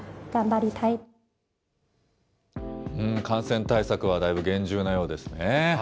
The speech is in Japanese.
感染対策はだいぶ厳重なようですね。